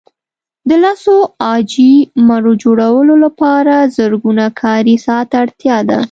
د لسو عاجي مرو جوړولو لپاره زرګونه کاري ساعته اړتیا ده.